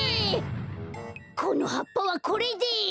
このはっぱはこれです。